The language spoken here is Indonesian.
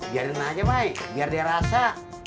biarin aja mai biar dia rasa